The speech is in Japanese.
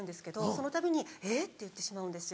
そのたびに「えっ⁉」て言ってしまうんですよ。